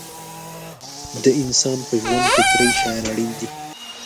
د انسان په ژوند کې درې شیان اړین دي.